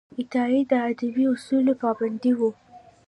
عطايي د ادبي اصولو پابند و.